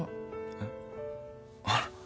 えっあれ？